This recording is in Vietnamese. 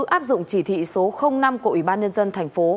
áp dụng chỉ thị số năm của ủy ban nhân dân thành phố